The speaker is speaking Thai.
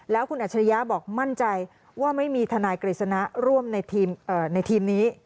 แล้วคุณอัจฉริยะบอกมั่นใจว่าไม่มีทนายกฤษณะร่วมในทีมนี้